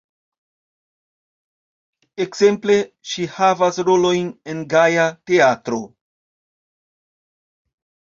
Ekzemple ŝi havas rolojn en Gaja Teatro.